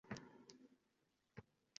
Shunda urush ko`rmaysizlar, bolam